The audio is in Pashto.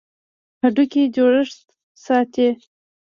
هډوکي جوړښت ساتي.